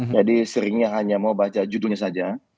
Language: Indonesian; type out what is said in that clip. jadi seringnya hanya mau baca judulnya saja